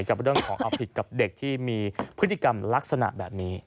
กับเรื่องของเอาผิดกับเด็กที่มีพฤติกรรมลักษณะแบบนี้